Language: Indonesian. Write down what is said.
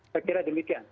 saya kira demikian